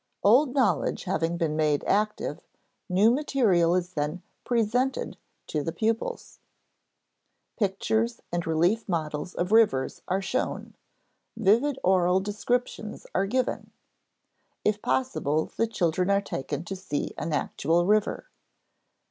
Old knowledge having been made active, new material is then "presented" to the pupils. Pictures and relief models of rivers are shown; vivid oral descriptions are given; if possible, the children are taken to see an actual river.